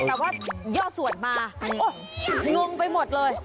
แต่ว่าย่อส่วนมาโอ๊ยเงินไปหมดเลย